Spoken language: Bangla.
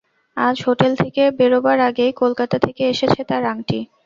আজ হোটেল থেকে বেরোবার আগেই কলকাতা থেকে এসেছে তার আংটি।